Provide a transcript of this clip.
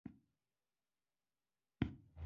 د پوښتنو په کولو خوښ شئ پوښتنې وکړئ.